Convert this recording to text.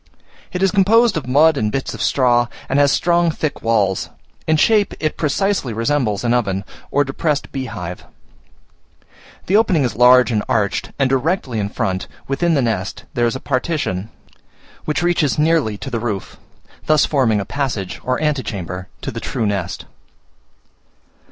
It is composed of mud and bits of straw, and has strong thick walls: in shape it precisely resembles an oven, or depressed beehive. The opening is large and arched, and directly in front, within the nest, there is a partition, which reaches nearly to the roof, thus forming a passage or antechamber to the true nest.